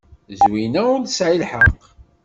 Zwina ur tesɛi lḥeqq.